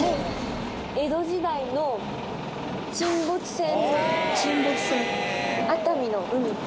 江戸時代の沈没船。